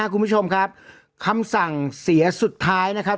คุณผู้ชมครับคำสั่งเสียสุดท้ายนะครับ